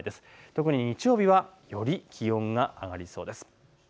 特に日曜日はより気温が上がりそうです。